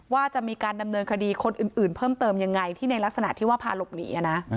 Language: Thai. ว่าจะมีการดำเนินคดีคนอื่นเพิ่มเติมยังไงที่ในลักษณะที่ว่าพาหลบหนี